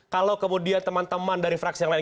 kalau kemudian teman teman dari fraksi yang lain